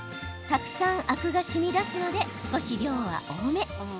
たくさんアクがしみ出すので少し量は多め。